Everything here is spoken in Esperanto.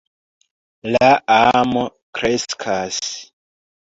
La amo kreskas.